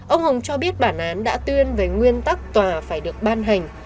ông hùng cho biết bản án đã tuyên về nguyên tắc tòa phải được ban hành